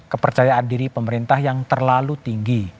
kepercayaan diri pemerintah yang terlalu tinggi